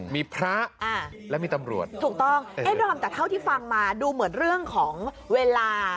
มีพระและมีตำรวจถูกต้องเอ๊ะดอมแต่เท่าที่ฟังมาดูเหมือนเรื่องของเวลา